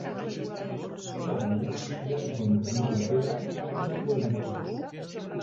A la vora hi ha un pont romà de pedra i un aqüeducte.